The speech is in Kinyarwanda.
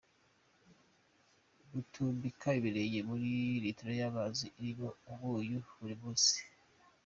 Gutumbika ibirenge muri litilo y’amazi arimo umunyu buri munsi.